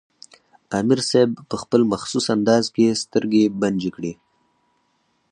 امیر صېب پۀ خپل مخصوص انداز کښې سترګې بنجې کړې